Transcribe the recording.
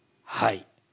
はい。